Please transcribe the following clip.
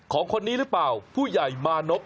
ของคนนี้หรือเปล่าผู้ใหญ่มานพ